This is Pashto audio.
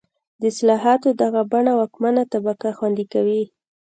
د اصلاحاتو دغه بڼه واکمنه طبقه خوندي کوي.